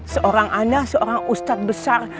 seorang anak seorang ustadz besar